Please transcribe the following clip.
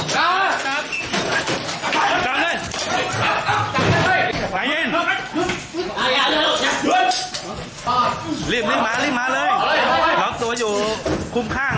จับเลยจับเลยจับเลยไว้เย็นรีบรีบมารีบมาเลยหลอกตัวอยู่คุมข้าง